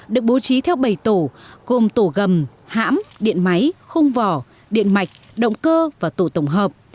được bố trí theo bảy tổ gồm tổ gầm hãm điện máy khung vỏ điện mạch động cơ và tổ tổng hợp